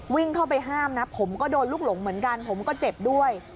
วิ่งเข้าไปห้ามนะผมก็โดนลูกหลงเหมือนกันผมก็เจ็บด้วย